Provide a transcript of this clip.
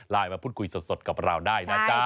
มาพูดคุยสดกับเราได้นะจ๊ะ